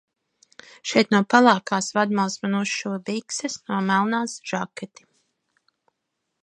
Šeit no pelēkās vadmalas man uzšuva bikses, no melnās žaketi.